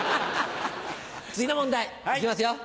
次の問題いきますよ